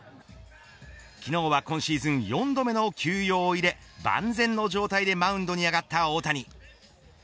昨日は今シーズン４度目の休養を入れ万全の状態でマウンドに上がった大谷。